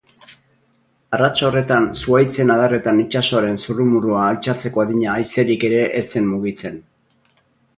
Arrats horretan zuhaitzen adarretan itsasoaren zurrumurrua altxatzeko adina haizerik ere ez zen mugitzen.